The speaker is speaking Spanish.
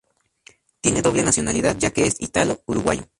Tiene doble nacionalidad ya que es italo-uruguayo.